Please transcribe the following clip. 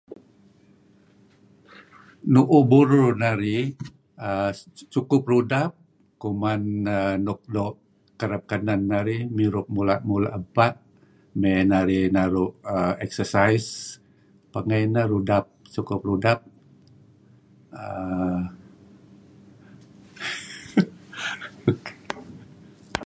Nu'uh burur narih, aah sukup rudap, kuman aah nuk doo' kereb kenen narih, mirup mula=mula' epa', mey narih naru' eksesais, pengeh ineh sukup rudap aah